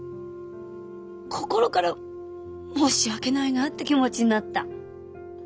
心から申し訳ないなって気持ちになった。